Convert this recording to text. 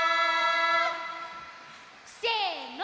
せの！